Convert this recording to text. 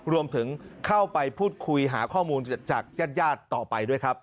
รวมถึงเข้าไปพูดคุยหาข้อมูลจากญาติญาติต่อไปด้วยครับ